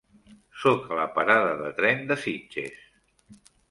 Soc a la parada de tren de Sitges.